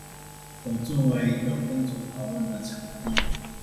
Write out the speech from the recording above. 可作為一個分組討論的場地